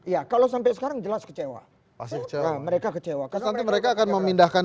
ya kalau sampai sekarang jelas kecewa pasti kecewa mereka kecewa mereka akan memindahkan